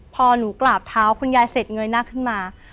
พอหนูกราบเท้าคุณยายเสร็จเงยหน้าขึ้นมา